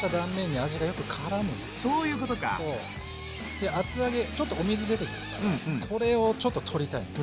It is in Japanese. で厚揚げちょっとお水出てくるからこれをちょっと取りたいです。